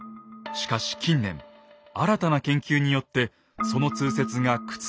しかし近年新たな研究によってその通説が覆ろうとしています。